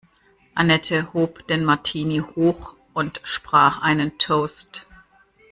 Annette hob den Martini hoch und sprach einen Toast.